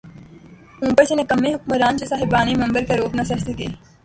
اوپر سے نکمّے حکمران‘ جو صاحبان منبر کا رعب نہ سہہ سکتے۔